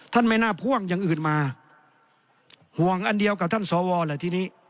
ไม่น่าพ่วงอย่างอื่นมาห่วงอันเดียวกับท่านสวแหละทีนี้